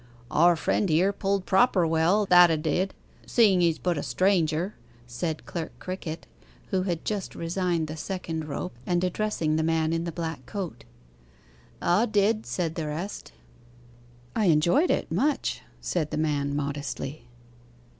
'Our friend here pulled proper well that 'a did seeing he's but a stranger,' said Clerk Crickett, who had just resigned the second rope, and addressing the man in the black coat. ''A did,' said the rest. 'I enjoyed it much,' said the man modestly.